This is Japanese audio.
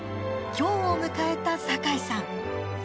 今日を迎えた酒井さん。